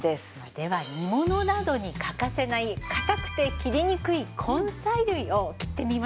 では煮物などに欠かせない硬くて切りにくい根菜類を切ってみましょうか。